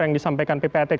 yang disampaikan ppatk